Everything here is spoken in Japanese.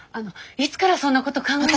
いつからそんなこと考えて。